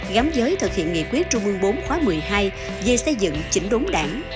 gắm giới thực hiện nghị quyết trung ương bốn khóa một mươi hai về xây dựng chỉnh đốn đảng